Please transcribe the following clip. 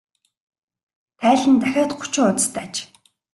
Тайлан нь дахиад гучин хуудастай аж.